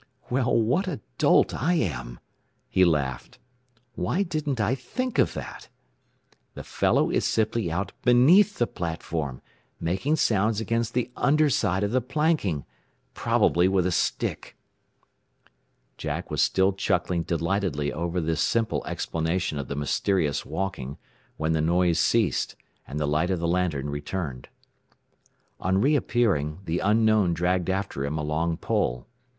"Well, what a dolt I am," he laughed. "Why didn't I think of that? "The fellow is simply out beneath the platform, making sounds against the under side of the planking probably with a stick!" [Illustration: JACK MADE OUT A THIN, CLEAN SHAVEN FACE BENDING OVER A DARK LANTERN.] Jack was still chuckling delightedly over this simple explanation of the mysterious "walking" when the noise ceased, and the light of the lantern returned. On reappearing, the unknown dragged after him a long pole.